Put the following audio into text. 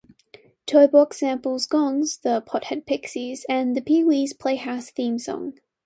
"Toy Box" samples Gong's "The Pot Head Pixies", and the Pee-wee's Playhouse theme song.